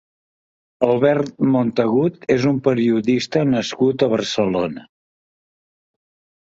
Albert Montagut és un periodista nascut a Barcelona.